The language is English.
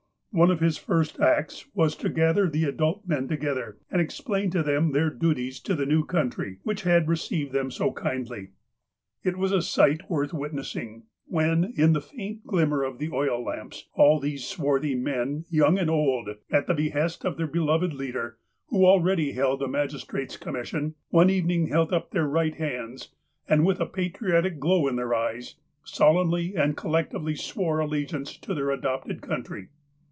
One of his first acts was to gather the adult men to gether, and explain to them their duties to the new coun try, whicli had received them so kindly. 298 THE PIONEERS 299 It was a sight worth witnessing, when, in the faint glimmer of the oil lamps, all these swarthy men, young and old, at the behest of their beloved leader, who already held a magistrate's commission, one evening held up their right hands, and with a patriotic glow in their eyes solemnly and collectively swore allegiance to their adopted country.